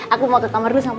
aku mau ke kamar dulu sama